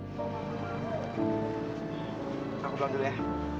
aku pulang dulu ya